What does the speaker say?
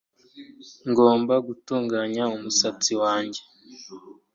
Ngomba gutunganya umusatsi wanjye